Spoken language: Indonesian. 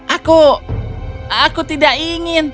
aku tidak ingin